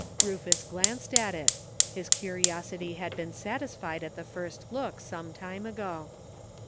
Rufus glanced at it; his curiosity had been satisfied at the first look, some time ago.